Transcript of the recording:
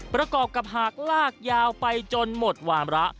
ประกอบกับหากลากยาวไปจนหมดวามระ